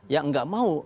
yang gak mau